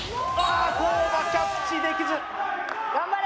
あ高間キャッチできず・頑張れ！